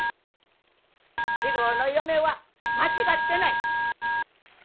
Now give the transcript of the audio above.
博夫の嫁は間違ってない。